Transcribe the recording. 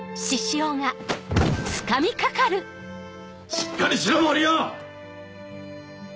しっかりしろ森生！